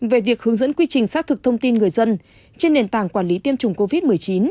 về việc hướng dẫn quy trình xác thực thông tin người dân trên nền tảng quản lý tiêm chủng covid một mươi chín